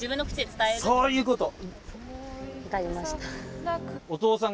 そういうこと！